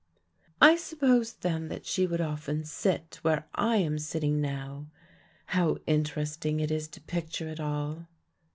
"I suppose then that she would often sit where I am sitting now. How interesting it is to picture it all."